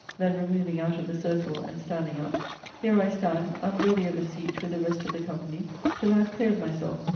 Then removing out of the circle, and standing up, Here I stand, unworthy of a seat with the rest of the company, till I have cleared myself.